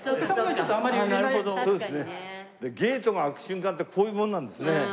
ゲートが開く瞬間ってこういうもんなんですね。